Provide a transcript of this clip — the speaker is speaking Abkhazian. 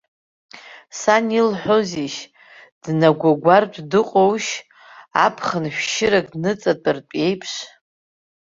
Сан илҳәозеишь, днагәагәартә дыҟоушь, аԥхын шәшьырак дныҵатәартә еиԥш?